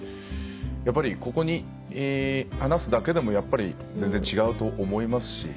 やっぱりここに話すだけでも全然違うと思いますし。